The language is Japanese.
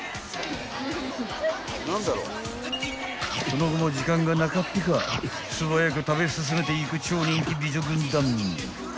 ［その後も時間がなかっぴか素早く食べ進めていく超人気美女軍団］